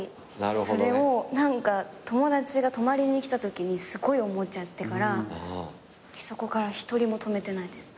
それを友達が泊まりに来たときにすごい思っちゃってからそこから一人も泊めてないです。